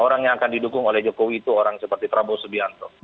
orang yang akan didukung oleh jokowi itu orang seperti prabowo subianto